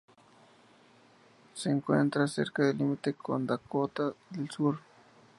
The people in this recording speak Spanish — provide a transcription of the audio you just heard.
Se encuentra cerca del límite con Dakota del Sur.